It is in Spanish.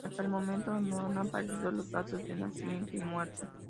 Hasta el momento no han aparecido los datos de nacimiento y muerte.